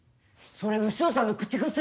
それ潮さんの口癖！